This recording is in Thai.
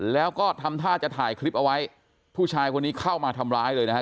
แล้วก็ทำท่าจะถ่ายคลิปเอาไว้ผู้ชายคนนี้เข้ามาทำร้ายเลยนะฮะ